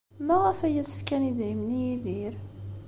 Maɣef ay as-fkan idrimen i Yidir?